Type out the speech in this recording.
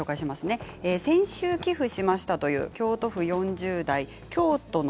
先週、寄付しましたという京都府４０代の方です。